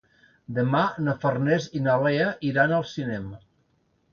Demà na Farners i na Lea iran al cinema.